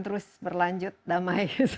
terus berlanjut damai